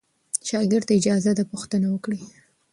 شاګرد ته اجازه ده پوښتنه وکړي.